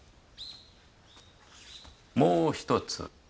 もう一つ。